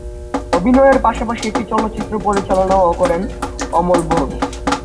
অভিনয়ের পাশাপাশি একটি চলচ্চিত্র পরিচালনাও করেন অমল বোস।